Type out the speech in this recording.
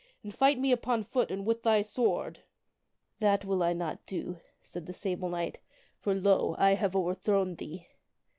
and fight me upon foot and with thy sword." " That will I not do," said the Sable Knight, " for, lo ! I have overthrown thee.